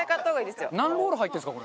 何ロール入ってるんですか？